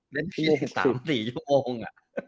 เล่นที่๓๔ชั่วโมง